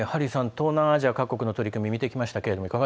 東南アジア各国の取り組みいかがでした？